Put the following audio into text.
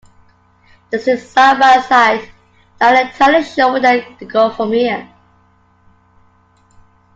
They sit side by side, not entirely sure where they go from here.